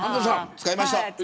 使いました。